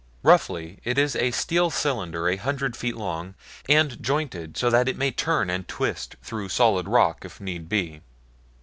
Roughly, it is a steel cylinder a hundred feet long, and jointed so that it may turn and twist through solid rock if need be.